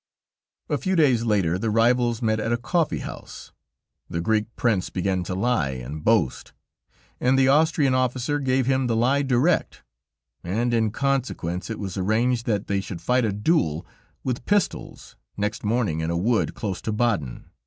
A few days later, the rivals met at a coffee house; the Greek prince began to lie and boast, and the Austrian officer gave him the lie direct, and in consequence, it was arranged that they should fight a duel with pistols next morning in a wood close to Baden.